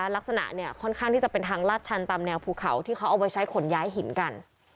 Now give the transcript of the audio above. ลักษณะเนี่ยค่อนข้างที่จะเป็นทางลาดชันตามแนวภูเขาที่เขาเอาไว้ใช้ขนย้ายหินกัน